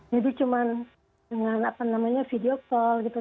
jadi cuman dengan apa namanya video call